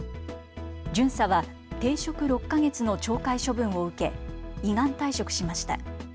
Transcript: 巡査は停職６か月の懲戒処分を受け依願退職しました。